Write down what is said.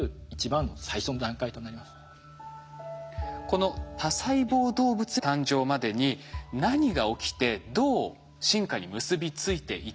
この多細胞動物誕生までに何が起きてどう進化に結び付いていったのか。